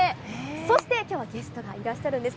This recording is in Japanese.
そしてきょう、ゲストがいらっしゃるんです。